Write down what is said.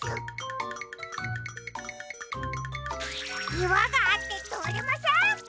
いわがあってとおれません。